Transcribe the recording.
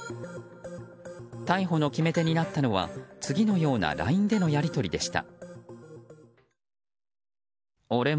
逮捕の決め手となったのは次のようなＬＩＮＥでのやり取りでした。